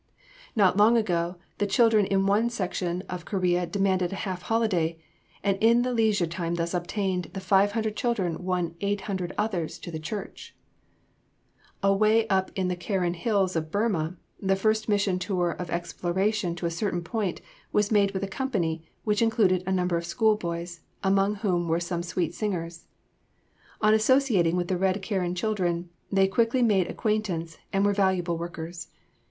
Not long ago the children in one section of Korea demanded a half holiday, and in the leisure time thus obtained the five hundred children won eight hundred others into the church. [Sidenote: In Burma.] Away up in the Karen Hills of Burma the first mission tour of exploration to a certain point was made with a company which included a number of school boys, among whom were some sweet singers. On associating with the Red Karen children, they quickly made acquaintance and were valuable workers.